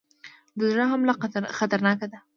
د زړه حمله خطرناکه ده